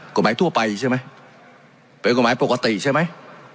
ทั่วไปใช่ไหมเป็นกฎหมายปกติใช่ไหม